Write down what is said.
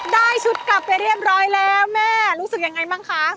ได้ชุดกลับไปเรียบร้อยแล้วแม่รู้สึกยังไงบ้างคะ